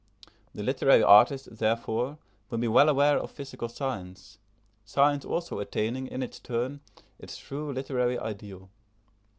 The literary artist, therefore, will be well aware of physical science; science also attaining, in its turn, its true literary ideal.